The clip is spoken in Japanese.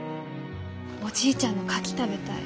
おじいちゃんのカキ食べたい。